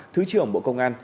thứ trưởng bộ công an